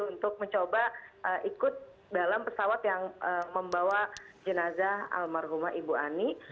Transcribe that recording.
untuk mencoba ikut dalam pesawat yang membawa jenazah almarhumah ibu ani